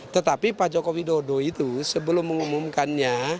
tetapi pak jokowi dodo itu sebelum mengumumkannya